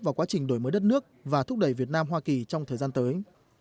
vào quá trình đổi mới đất nước và thúc đẩy việt nam hoa kỳ trong thời gian tới